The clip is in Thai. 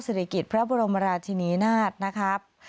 ศิริกิจพระบรมราชินีนาฏนะครับ